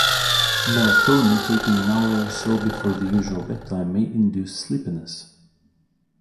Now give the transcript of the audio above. Melatonin taken an hour or so before the usual bedtime may induce sleepiness.